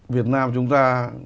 việt nam chúng ta